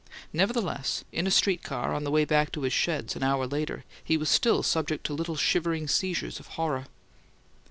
Nevertheless, in a street car, on the way back to his sheds, an hour later, he was still subject to little shivering seizures of horror.